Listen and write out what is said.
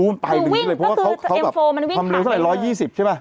มันวิ่งมันทำเร็วทะเล๑๒๐ใช่ป่ะ